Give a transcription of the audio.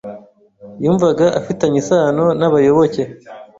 yumvaga afitanye isano n'abayoboke